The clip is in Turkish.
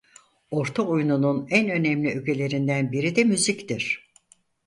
Orta oyununun en önemli ögelerinden biri de müziktir.